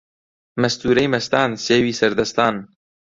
مەستوورەی مەستان سێوی سەر دەستان